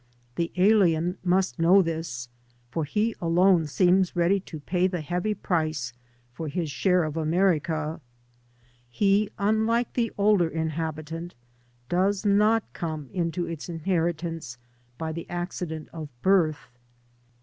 The alien must know this, for he alone seems ready to pay the heavy price for his share of America. He, unlike the older inhabitant, does not come into its INTRODUCTION inheritance by the acddent of birth.